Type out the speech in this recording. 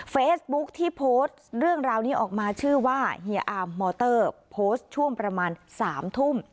เฟซบุ๊คที่โพสต์เรื่องราวนี้ออกมาชื่อว่าเฮียอาร์มมอเตอร์โพสต์ช่วงประมาณ๓ทุ่ม